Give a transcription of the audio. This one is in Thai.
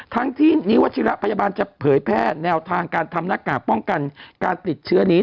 ทั้งที่นิวัชิระพยาบาลจะเผยแพร่แนวทางการทำหน้ากากป้องกันการติดเชื้อนี้